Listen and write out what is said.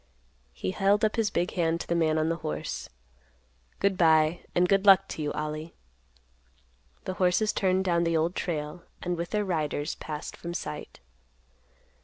He held up his big hand to the man on the horse; "Good by, and good luck to you, Ollie." The horses turned down the Old Trail and with their riders, passed from sight.